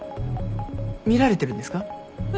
見られてるんですか？へ。